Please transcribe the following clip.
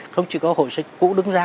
không chỉ có hội sách cũ đứng ra